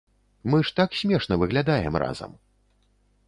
Мы ж так смешна выглядаем разам!